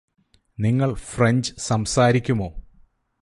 നിങ്ങള് ഫ്രഞ്ച് സംസാരിക്കുമോ